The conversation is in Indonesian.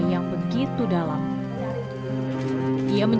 sebenarnya tidak ters genommen